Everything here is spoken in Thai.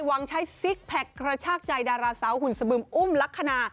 วางใช้ซิกแพคกระชากใจดาราสาวหุ่นสบึมอุ้มลักษณะ